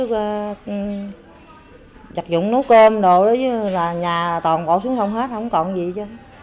chặt dụng nấu cơm đồ đấy chứ là nhà toàn bộ xuống sông hết không còn gì chứ